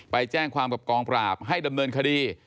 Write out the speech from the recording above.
ไปแจ้งความกับกองปราบให้ดำเนินคดี